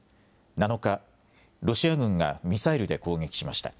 ７日、ロシア軍がミサイルで攻撃しました。